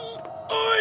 おい！